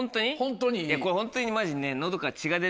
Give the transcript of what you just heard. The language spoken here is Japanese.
これホントにマジね。